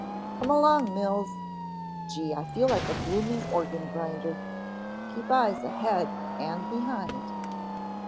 Come along, Mills. Gee, I feel like a blooming organ grinder. Keep eyes ahead and behind."